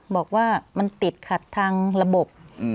บอกว่ามันติดขัดทางระบบ